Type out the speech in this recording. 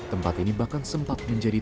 tempat ini bahkan sempat menjadi